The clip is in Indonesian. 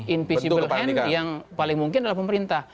invisible hand yang paling mungkin adalah pemerintah